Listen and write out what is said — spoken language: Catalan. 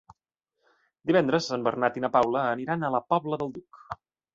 Divendres en Bernat i na Paula aniran a la Pobla del Duc.